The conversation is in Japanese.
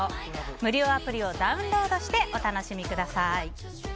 無料アプリをダウンロードしてお楽しみください。